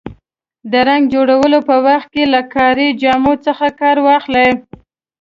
د رنګ جوړولو په وخت کې له کاري جامو څخه کار واخلئ.